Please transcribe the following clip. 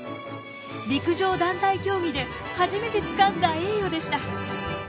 陸上団体競技で初めてつかんだ栄誉でした。